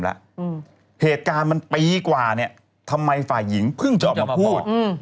แล้วเหตุการณ์มันปีกว่าเนี่ยทำไมฝ่ายหญิงเพิ่งจะออกมาพูด